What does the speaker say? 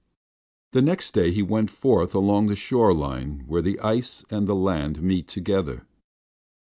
The next day he went forth along the shore line where the ice and the land met together.